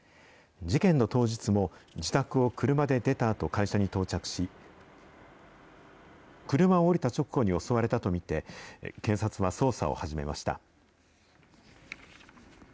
事件の当日も自宅を車で出たあと会社に到着し、車を降りた直後に襲われたと見て、警察は捜査を始めました。